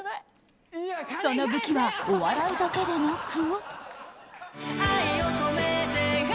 その武器は、お笑いだけでなく。